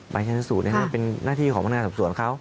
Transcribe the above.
ใบชนสูตรเป็นหน้าที่ของพนักงานส่วนส่วนเขา